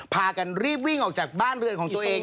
พากันรีบวิ่งออกจากบ้านเรือนของตัวเอง